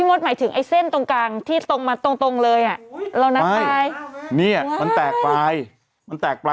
มาถึงแค่๒หางเท่าไหร่อย่างนี้อืมมันแตกปลาย